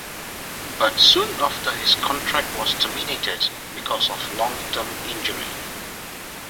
But soon after his contract was terminated because of long term injury.